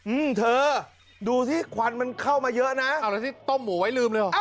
อืมเธอดูสิควันมันเข้ามาเยอะนะเอาแล้วที่ต้มหมูไว้ลืมเลยเหรอ